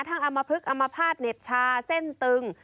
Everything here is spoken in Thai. ทั้งอามพลึกอามพลาดเหน็บชาเส้นตึง